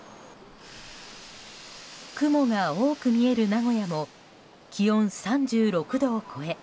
雲が多く見える名古屋も気温３６度を超え